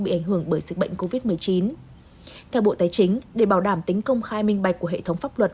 bị ảnh hưởng bởi dịch bệnh covid một mươi chín theo bộ tài chính để bảo đảm tính công khai minh bạch của hệ thống pháp luật